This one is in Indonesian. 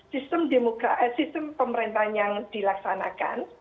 sistem pemerintahan yang dilakukan